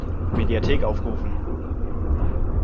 Mediathek aufrufen!